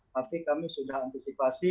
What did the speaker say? tapi kami sudah antisipasi